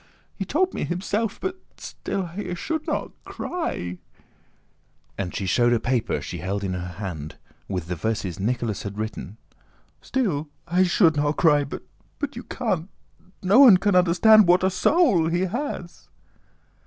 he told me himself... but still I should not cry," and she showed a paper she held in her hand—with the verses Nicholas had written, "still, I should not cry, but you can't... no one can understand... what a soul he has!"